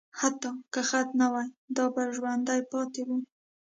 حتی که خط نه وای، دا به ژوندي پاتې وو.